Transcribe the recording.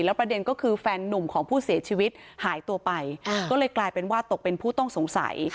ประเด็นก็คือแฟนนุ่มของผู้เสียชีวิตหายตัวไปก็เลยกลายเป็นว่าตกเป็นผู้ต้องสงสัย